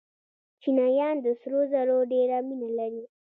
چینایان د سرو زرو ډېره مینه لري.